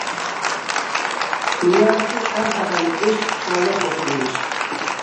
دۇنيادىكى ئەڭ خەتەرلىك ئىش: چىرايلىق خوتۇن ئېلىش.